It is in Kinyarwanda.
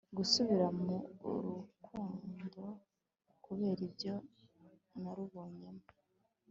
gusubira mu rukundo kubera ibyo naruboneyemo